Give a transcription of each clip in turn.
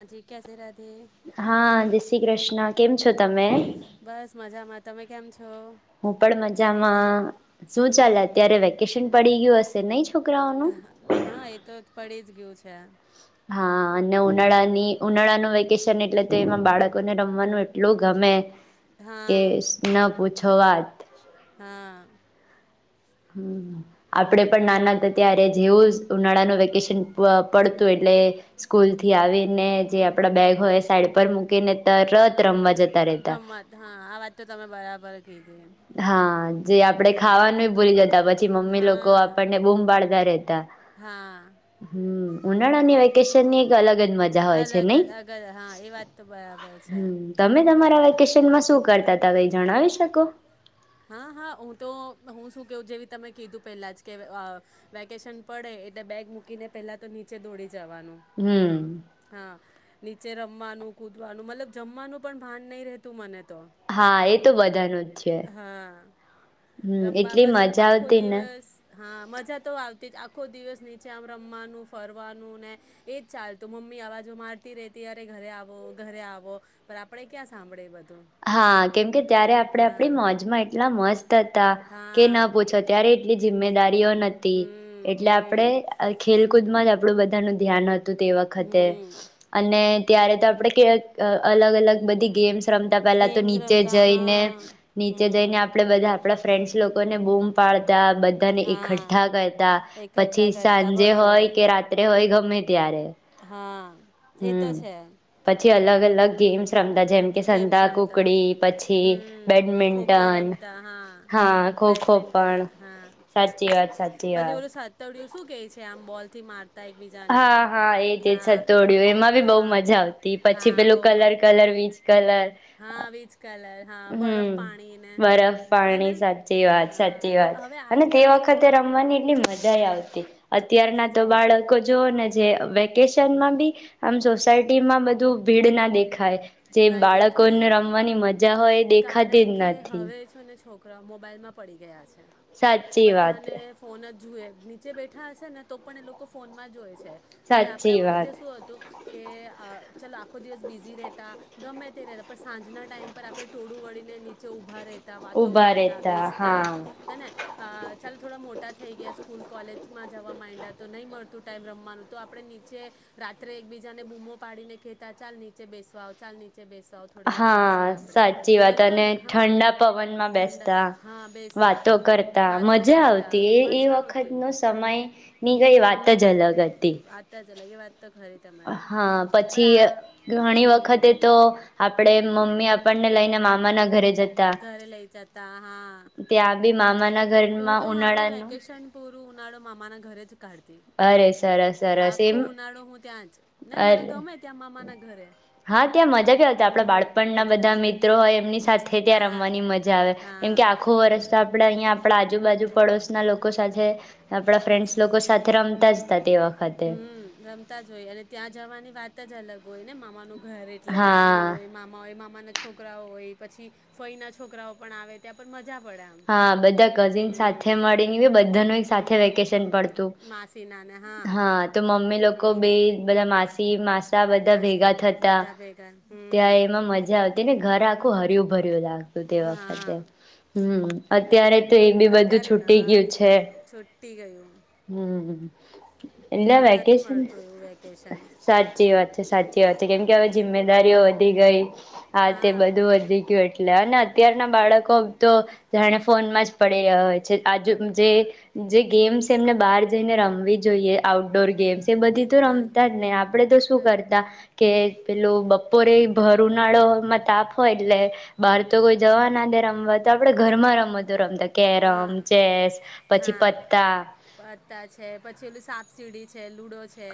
હાજી કેસે રાધે હા જ શ્રી કૃષ્ણ કેમ છો તમે? બસ મજામાં તમે કેમ છો? હું પણ મજામાં. શું ચાલે હમ અત્યારે વેકેશન પડી ગયું હશ શે નઈ છ હઅ-હા, એ તો પડી જ ગ્યું છે. હા અને હમ ઉનાળાની ઉનાળાનું વેકે વેકેશન એટલે તો એમાં બાળકોને રમવાનું એટલું ગમે. કે હા ન પુછો છો વાત. હા. હમ્મ. આપડે પણ નાના હતા ત્યારે જેવું ઝ ઉનાળાનું વેકેશન પઅ-પડતું એટલે સ્કૂલથી આવીને જે આપડા બેગ હોય સાઈડ પર મૂકીને તરત રમવા જતા રહેતા રમત. હા, આ વાત તો તમે બરાબર કીધે. હા, જે આપડે ખાવાનુંય ભૂલી જતા પછી મમ્મી લોકો હા આપડને બૂમ પાડ - તા રેતા. હા હમ્મ, ઉનાળની વેકે શનની એક અગલ અલગ જ અગજ. હા, એ વાત તો બરાબર છે. હમ તમે તમારા વેકેશનમાં શું કરતા તા કઈ જણાવી શકો? હા હા હું તો હું શું કેવ જેવી તમે કીધું પેલા જ કે અ વેકશન પડે એટલે બેગ મૂકીને પેલા તો નીચે દોડી જવાનું. હમ હા. નીચે રમવાનું, કુદવાનું મતલબ જમવાનું પણ ભાન નય રહેતું મને. તો હા, એ તો બધાંનું જ છે. હા, હમ રમવા એટલી બસ ર મજા આખો આવતી ને દિવસ હા, મજા તો આવતી જ આખો દિવસ નીચે આમ રમવાનું, ફરવાનું ને એ જ ચાલતું. મમ્મી અવાજો મારતી રેતી અરે ઘરે આવો, ઘરે આવો પણ આપડે ક્યાં સાંભળે બ હા, કેમકે ત્યારે આપરે આપડી મોજમાં એટલા મસ્ત હતા કે ન હા પૂછો ત્યારે કે જીમ્મેદારી રિયો નતી હમ એટલે હમ આપડે ખેલકૂદમાં જ આપડું બધાનું ધ્યાન હત તે વખતે હમ અને ત્યારે તો આપડે કે અલગ અલગ બધી ગેમ્સ રમ પેલા તો ગેમ્સ નીચે રમતા જઈને, હા નીચે હમ જઈને આપડે બધા ફ્રેન્ડસ લોકોને બૂમ પાડ તા બંધાને હા એકઠ્ઠા કરતા, એકઠ્ઠા પછી કરતા સાંજે હોય બરોબર કે રાત્રે હોય ગમે ત્યારે હા. એતો છે. છી અલગ અલગ ગેમ્સ રમતા જેમ કે ગેમ્સ સંતા રમતા કુકડી પછી હમ્મ, ખોખો બેડમિન્ટન રમતા, હા ખોખો બેડમિન્ટન પણ હા, સાચી વાત સાચી પછી વાત ઓલું સાતડિયું શું કેય છે આમ બોલ થી માર હા, હા, એજ એજ સતોડિયું એમાં બી બો હા મજા આવતી પછી હા પેલું બહુ મ કલર કલર વી કલર હા વીજ કલર હા બરફ હમ્મ, પાણીને બરફ હે ને પાણી સાચી વાત સાચી અ વાત હવે અને તે આજના વખતે છોકરાઓને રમવાની એટલી મજાએ આવતી, અત્યારના મજા જ તો આવતી બાળક જોવોને જે ર્વેંકેશનમાં બી આમ જો [unintelligible] માં બધું ભીડ ના દેખાય. જે નહીં બાળકોને દેખાય રમવાની મજા હોય, એ દેખાતીજ નથી. રા મોબાઈલમાં પડી ગયા છે. સાચી વાત. બધાને ફોન જ જુએ, નીચે બેઠા હશે ને તો પણ એ લોકો ફોનમાં જોવે છે. જ્યારે સાચી આપડા વાત વખતે શું હતું કે ચાલ આખો દિવસ બીઝી રે ગમે તે રેહ પણ સાંજના ટાઈમ પર આપડે ટોળું વળીને નીચે ઊભા રેહ તા વાતો ઉભા કરતા, રહેતા બેસતા હા હેને, ચાલ થોડા મોટા થઈ ગયા સ્કૂલ કોલેજમાં જવા માડ અત્યારે તો નઈ મળતું ટાઈમ રમવાનું તો આપડે નીચે રાત્રે એકબીજાને બૂમો પાડીને કેતા ચાલ નીચે બેસ વા આવ ચાલ નીચે બેસ હા, સાચી વાત અને ને હા ઠંડા પવનમાં ઠંડા બેસતા, હા બેસતા વાતો કરતા, વાતો મજા કરતા આવતી, એ એ મજા વખત આવતી નો સમય ની ગઈ વાત હમ જ અલગ અતી. વાત જ અલગ એ વાત તો ખરી તમારી હા, પણ પછી આ ઘણી ઘણી હમ વખતે તો આપડે મમ્મી આપણને લઈને મામાના ઘરે જતા ઘરે લઇ જતા, હા. ત્યાં બી મામા ના હું તો મારું વેકેશન પૂરું ઉનાળું મામા ના ઘરે જ કાઢતી અરે સરસ સરસ આખો એમ ઉનાળો હું ત્યાં જ નહી અરે મને ગમે ત્યાં મામાના ઘરે હા ત્યાં મજા કે આપડા હમ બાળપણના મજા બધા મિત્રો હોય એમની સાથે ત્યાં હા રમવાની મજા આવે એમ કે હા આખું વર્ષ આપડા અહંયા આપ આજુબાજુ પડોશ ના લોકો સાથે, આપડા ફ્રેન્ડસ લોકો સાથે રમતા જ તે વખતે હમ્મ રમતા જ હોય અને ત્યાં જવાની વાત જ અલગ હોયને મામાનું ઘર એટલે નાની હા હોય મામા હોય મા માના છોકરાઓ હોય પછી ફઈ ના છોકરાઓ પણ આવે ત્યાં મ હા બધા કઝિન સાથે મળીને બધાનું એક સાથે હમ વેકેશન પડતું. હા. તો મમ્મી લોકો બે હમ બધા મા માસી મા સા બધા ના છે ભેગા થતા બધા ભેગા હમ ત્યાં એમાં મજા આવતી ને ઘર આખો હરિયું ભર યુ લાગતું તે વખતે. હા હમ અત્યારે તો એ પણ બી બધું અત્યારે નય છૂટી ગયું નય છે. છૂટી ગયું હમ્મ એટલે હવે નથી વેકેશન મળતું એવું વેકેશન સાચી વાત છે સાચી વાત છે કેમ કે હવે હમ જિમ્મેદારીઓ વધી ગઈ આ તે હા બધું વધી ગયું એટલે લેનો ના અત્યાર ના બાળકો તો જાણે ફોનમાં જ પડી રહ્યો હોય જ આજ પડે જે હા જે ગેમ્સ તેમને બહાર જઈને રમવી જોઈએ આઉટડોર ગેમ્સ એ બધી તો હા રમતા જ ને આપડે તો શું નથી કરતા કે પેલું બપોરે ભર ઉનાળો માં તાપ હોય એટલે બહાર તો કોઈ જવા ના દે રમવા તો આપડે ઘરમાં રમત જો રમતા કેરમ હા ચેસ પછી હા પત્તા પત્તા છે પછી ઓલું સાપસીડી છે લુડો હે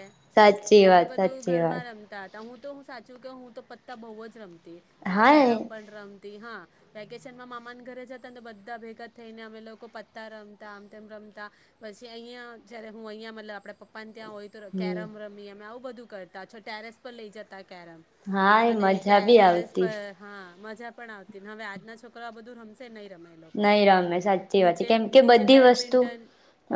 એ સાચી આપડે વાત બધું સાચી વાત ઘરમાં રમતા હતા હું તો હું સાચું કે હું તો પત્તા બહુ જ રમી તે આ હા એ કેરમ પણ રમ કે હા વેકેશન માં મામાના ઘરે જતાને તો બધા ભેગા થઈને અમે લોકો પત્તા રમતા, આમ તેમ રમતા. પછી અહીંયા જ્યારે હું અહીંયા મતલબ આપણા પપ્પાને ત્યાં હોય તો હમ કેરમ રમીએ. મે આવું બધું કરતા છ ટેરેસ પર લઈ જતા કેરમ હા એ અને કે મજા બી ટેરેસ આવતી પર, હા. મજા પણ આવતી ને હવે આજના છોકરો આ બધું રમશે નહી [unintelligible] લોકો. [unintelligible] સાચી વાત છે નીચે કેમ કે નીચે બધી વસ્તુ બેડમિન્ટન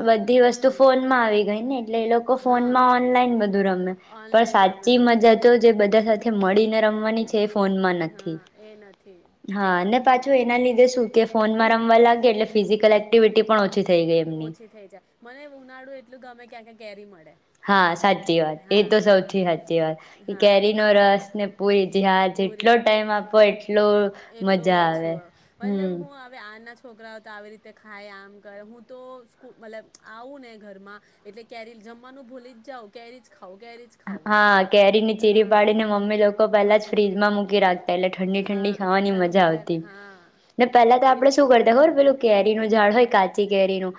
બધી વસ્તુ હમ ફોનમાં આવી ગઈ ને એટલે લોકો હા ફોનમાં ઓનલાઈન બધું રમે પણ ઓનલાઈન રમે સાચી મજા બધું તો જે બધા સાથે મડીને રમવાની છે ફોમાં હા નથી એ નથી હા ને બરાબર પાછું કીધું એના લીધે શું કે ફોનમાં મને રમવા લાગે એટલે ફીઝિકલ એક્ટિવિટી પણ ઓછી થઈ ગઈ એમની ઓછી થઈ જાય મને ઉનાળું એટલું ગમે ક્યા ક્યા કેરી મળે હા સાચી વાત એ હા તો હા સૌથી સાચી વાત હા કેરીનો રસ ને પુરી જી હા જેટલો પૂરી ટાઈમ આપો એટલો મજા આવે હમ્મ નાના છોકરાઓ તો આવી રીતે ખાય આમ કરે હું તો મતલબ આવું ને ઘરમાં એટલે કેરી જમવાનું ભૂલી જ જાઉ કેરી જ ખાઉ હા કેરી ની ચીરી હા પાડીને મમ્મી લોકો પેલા જ મામી ફ્રીજમાં મુકી ગિરાત પલે ઠંડી હા ઠંડી ખાવાની ઠંડ મજા કર આવતી હા ને પેલા તો એ આપડે શું કરતા હો પેલું કે તેનું ઝાડ હોય કા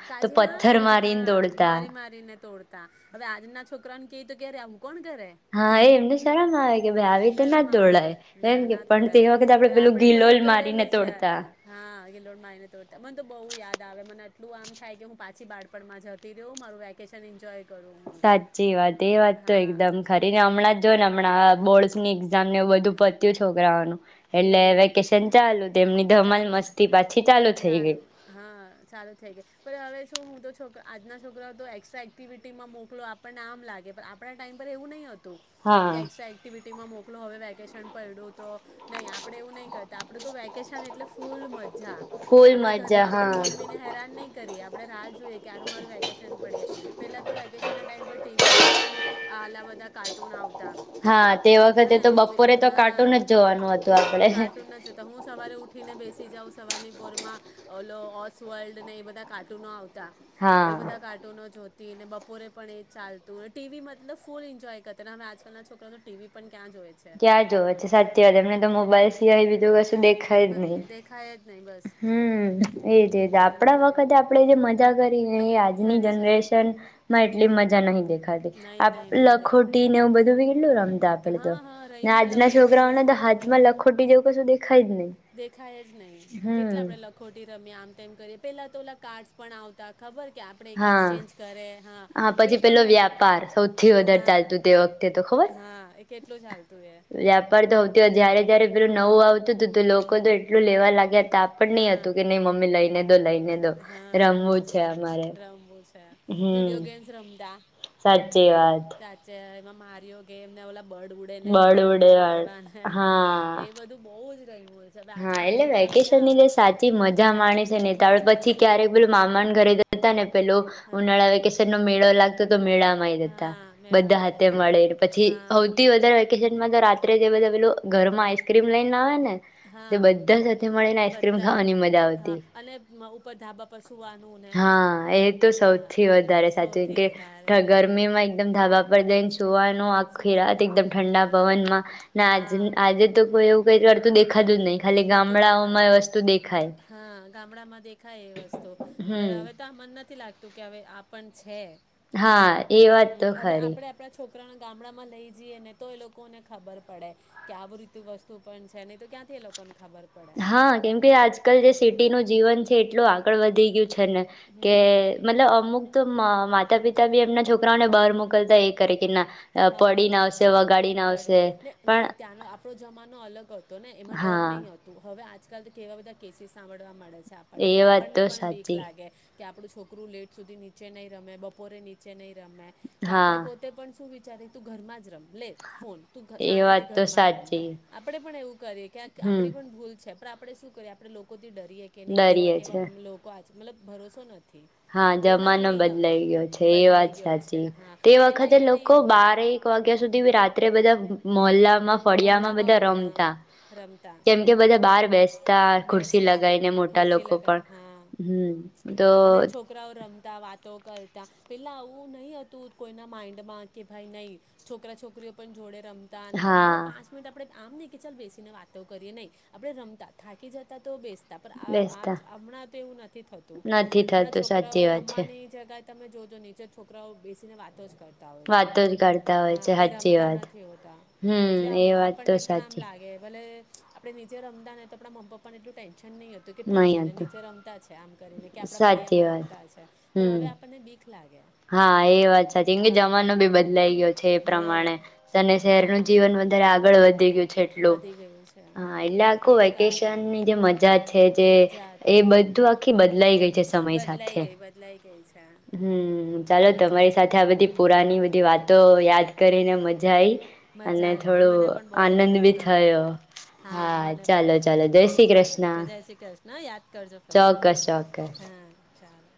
તાજે હા એ હા તોડતા મારી મારીને તોડતા હવે આજના છોકરાને તો ક્યારે કોણ કરે હા એ એમને શરમ આવે કે ભાઈ આવી રીતે ના શરમ આવે ન તોડાય એમ કે ના પણ તે તોડાય વખતે પણ પેલું આપડે બધું ગિલોલ મારીને કરેલું છે તોડતા હા લો માને તોડતા મને તો બહ યાદ આવે મને. મન થાય કે હું પાછી બાળપણમાં જતી રહી અને મારું વેકેશન એન્જોય... કરું હું સાચી વાત છે, એ વાત તો હા એકદમ ખરી ને! હમણાં જ જો ને... હમણાં બોર્ડની એક્ઝામ ને બધું પત્યું છોકરાઓનું એટલે હમ્મ વેકેશન ચાલુ તેમની ધમાલ ચાલો મસ્તી પાછી ચાલુ થઈ ચાલો ગઈ. હા ચાલુ થઈ ગય હવે શું હું તો છોકરા... આજના છોકરાઓ તો એક્સ્ટ્રા એક્ટિવિટીમાં મોકલો આપણને આમ લાગે પણ આપણા ટાઈમ પર એવું નહીં હતું. હા. કે એક્સ્ટ્રા એક્ટિવિટી મા મોકલું હવે વે વકેશન પયડો તો.. નહીં આપડે એવું નહીં કરતા આપડું તો વેકેશન એટલે... ફૂલ મજા ફૂલ આપડે મજા ઘરમાં પણ હા મમ્મીને હેરાન નહીં કરીએ. આપણે રાહ જોઈએ કે ક્યારે મારું વેકેશન પડે પેલા તો વેકેશનના ટાઈમ પર ટીવીમાં પણ આલા બધા કાર્ટૂન આવતા. હા, તે અચ્છા વખતે ને તો નોબી બપોરે તો હા કાટું ન જ જોવાનું. હતું આપડે કાર્ટૂન નજ જોતા હું સવારે ઉઠ ઉઠીને બેસી જાાવ સવારનીપોરમાં ઓલો ઓસ વર્લ્ડ ને એ બધા કાર્ટૂનો આવતા. એ હા. બધા કાર્ટૂનો જો કે એને બપોરે પણ એ ચાલતું ને, ટી વી મતલબ ફૂલ એન્જોય કરતા, હવે આજકાલના છોકરાઓ તો ટી વી પન ક્યાં જોવે છે, સાચી વાત એને તો મોબાઈલ હમ સિવાય બીજું કશું દેખાય જ નઈ, દેખાય જ નહીં બસ હમ્મ, એ જ એ જ આપણા હમ વખતે આપણે જે મજા કરીને એ આજ આજની કરી છે ને જનરેશન માં એ એટલી મજા નહીં દેખ ખાતી, નહીં નહીં નહીં દેખાય લખોટી ને એવું બધું કેટલું રમતા કે આપડે તો હા હા ને રહીમાં આજના લખોટી છોકરાઓને રહી તો હાથમાં લખોટી બીજુ કશુ દે દેખાય જ નઈ, કેટલા હમ આપડે લખોટી રમ્યા, આમ તેમ કરીએ, પેલા તો ઓલા કાર્ડસ પણ આવતા ખબર કે આપણે હા, એક્સચેન્જ કરે હા. એ પછી પણ પેલો હું વ્યાપાર સૌથી વધારે હા ચાલતો, તે વખતે તો ખબર હા એ કેટલું ચાલતું એ વ્યાપાર તો [unintelligible] જ્યારે જયારે પેલું નવું આવતું તો તો લોકો તો એટલું લેવા લાગ્યા તા પણ ની હા હતું કે, નઈ મમ્મી લઈને દો, લઈને દો, હા રમવું છે અમારે રમવું વિડીયો હમ ગેમ્સ રમતા સાચી વાત. સાચે એમાં માર્યો કે એમને ઓલા બર્ડ ઉડે ને ગંનથી બળવડ મારવા હા એ બધું બઉ જ [unintelligible] હોય છે હવે આજકાલના છોકરા તેની ક્યાં આવે જે સાચી મજા માણે છે નેતા આપળ મજા પછી ક્યારેક બોલ મામા ન ઘરે જ તાને પેલું હા ઉનાળા વેકેશનનો મેળો લાગ તો મેળામાંય જતા હા બધા મેળામાં હાથે જતા મળેને પછી હા હૌથી વધારે વેકેશનમાં તો રા તે જે બધા પેલુ ઘરમાં આઈસક્રીમ લઈ ને આવે ને હ. તે હા બધા સાથે મળીને આઈસ્ક્રીમ બધા ખાવાની મજા આવતી, હા અને મ- ઉપર ધાબા પર સુવાનું ને હા એ તો હા સૌથી વધારે સાચું સૌથી કે વધારે ધ ત્યાં ગરમીમાં એકદમ ધાબા પર જઈન ધોવાનું આખી રાત સુવાનું એકદમ ઠંડા આખી પવનમાં ને આજ હા આજે તો કોઈ એવું કોઈક વાર તો દેખાતુ જ નઈ ખાલી નથી ગામડાઓમાં એ દેખાતું વસ્તુ દેખાય. હા ગામડામાં દે ખાય એ વસ્તુ હમ પર હવે તો આ મન નથી લાગ તો કે હવે આપણ છે. હા એ વાત તો ખરી. ઉપકરાણ ગામડામાં લઈ જઈએ ને તો એ લોકો ને ખબર પડે કે આવું રીત વસ્તુ પણ છે નને તો ક્યાંથી એ લોકો હા કેમ કે આજકાલ જે સિટીનું જીવન છે. એટું આગળ વધી ગયું. ને કે હમ મતલબ અમુક તો માતા પિતા બી એમના છોકરાઓને. બહાર મોકલતા એ કરે કે ના. હા પડીને નહી આવશે વગાડીને પડી આવશે પણ નહી ત્યાંનો આપણો જમાનો અલગ હતો. ને એમાં ડર હા નહીં આવતું હવે આજ. આજકાલ તો કેવાધા કેસીસ સાંભળવા મળે છે. એ આપણને કે વાત આપણને તો પણ ભીખ સાચી લાગે. કે આપડું છોકરું લેટ સુધી નીચે નહી રમે બપોરે નીચે નહી રમે. તો આપડે હા પોતે પણ શું. જ્યારે તું ઘરમાં જ રમ. લે ફોન તું એ શાંતિથી વાત તો ઘર માં રમ સાચી આપડે પણ એવું કરીએ કે હમ આપડી પણ ભૂલ છે. આપણે શું કરીએ આપણે લોકો. ડરીએ કે નહી કેવા ડરીએ કેવા છે લોકો મતલબ ભરોસો નથી. હા પહેલાં જમાનો નહીં હતો બદલાઈ ગયો છે એ વાત બદલાઈ ગયો છે સાચી હા તે પહેલાં વખતે એ લોકો નહીં હતું બારે એક વાગ્યા સુધી બી રાત્રે બધા મોલા ફળિયામાં મહોલ્લામાં બધા ફ રમતા હા રમતા કેમ કે બધા બહાર બેસતા ખુરશી બેસતા લગાવીને મોટા ખુરશી લોકો લગાડ પણ હા હમ તો અને છોકરાઓ રમતા વાતો કરતા પેલા આવું નહીં હતું કોઈના માઇન્ડમાં કે ભાઈ નહીં છોકરા છોકરીઓ પણ જોડે રમતા અને હા મતલબ આપણે આમ નહી કે ચાલ બેસીને વાતો કરીએ નહી આપડે રમતા થાકી જતા તો બેસીતા બેસતા હમણાં તો એવું નથી થતું નથી હમણાં થતું સાચી છોકરાઓ વાત છે રમવાની જગ તમે જોજો નીચે છોકરાઓ બેસીને વાતો જ કરતા હોય છે. વાતો જ કરતા હોય હા છે એ સાચી રમતા વાત નથી હોતા હમ એટલે એ વાત તો આપણને પણ આમ સાચી લાગે ભલે આપણે નીચે રમતા ને તો આપણા મમ પાપા ને એટલું ટેન્ નહી હતું કે ઠીક નહી છે ને હતું નીચે રમતા છે આમ કરીને કે આપણા સાચી ફળિયામાં વાત રમતા છે પણ હવે હમ આપણને બીક લાગે હા એ વાત સાચી એ કે હા જમાનો બી બદલાઈ ગયો છે એ હા પ્રમાણે અને શહેરનું હા જીવન બ આગળ વધી યું એટલું વધી ગયું છે હા એટલે આખું એજ કારણે વેકેશનની જે મજા જે મજા એ હતી બધું આખી બદલાઈ ગઈ છે. બદલાઈ ગઈ બદલાઈ ગઈ છે. હમમ ચાલો તમારી સાથે આ બધી પુરાની બધી વાતો યાદ કરીને મજા આયી મજા આવી ગઈ મને પણ બો ગયમુ બી તમાર થયો હા મને ચાલો પણ ચાલો જય શ્રી ચાલો કૃષ્ણ જય શ્રી કૃષ્ણ યાદ કરજો ફરી ચોક્કસ ચોક્કસ હા. ચાલો